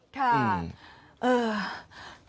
ค่ะ